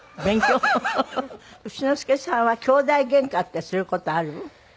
丑之助さんは兄妹ゲンカってする事ある？